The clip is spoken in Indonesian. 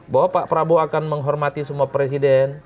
bahwa pak prabowo akan menghormati semua presiden